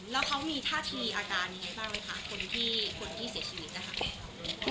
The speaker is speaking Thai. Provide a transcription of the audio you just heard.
แล้วเขามีท่าทีอาการยังไงบ้างไหมคะ